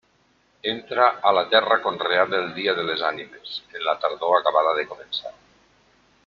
Entra a la terra conreada el dia de les Ànimes, en la tardor acabada de començar.